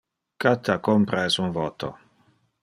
Cata compra es un voto.